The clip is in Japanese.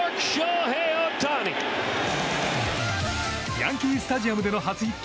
ヤンキー・スタジアムでの初ヒット。